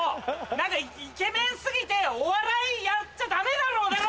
何かイケメン過ぎてお笑いやっちゃダメだろこの野郎！